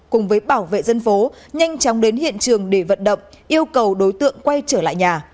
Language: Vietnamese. cùng với bảo vệ dân phố nhanh chóng đến hiện trường để vận động yêu cầu đối tượng quay trở lại nhà